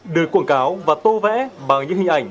được quảng cáo và tô vẽ bằng những hình ảnh